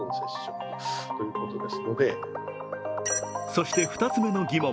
そして、２つ目の疑問。